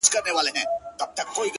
گـــډ وډ يـهـــوديـــان!!